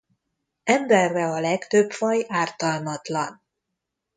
Emberre a legtöbb faj ártalmatlan.